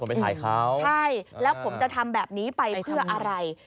ผมไปถ่ายเขาใช่แล้วผมจะทำแบบนี้ไปเพื่ออะไร